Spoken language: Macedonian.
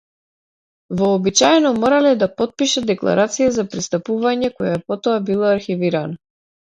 Вообичаено морале да потпишат декларација за пристапување која потоа била архивирана.